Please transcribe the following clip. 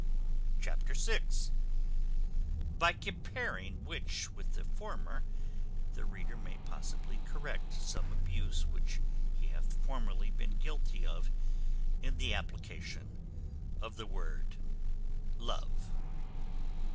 Chapter vi. By comparing which with the former, the reader may possibly correct some abuse which he hath formerly been guilty of in the application of the word love.